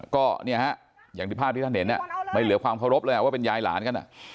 ก็เนี่ยฮะอย่างที่ภาพที่ท่านเห็นไม่เหลือความเคารพเลยว่าเป็นยายหลานกัน